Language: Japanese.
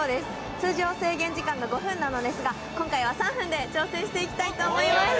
通常制限時間は５分なのですが今回は３分で挑戦していきたいと思います。